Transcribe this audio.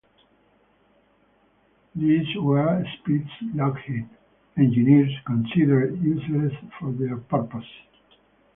These were speeds Lockheed engineers considered useless for their purposes.